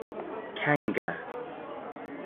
Kanga.